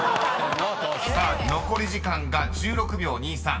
［さあ残り時間が１６秒２３］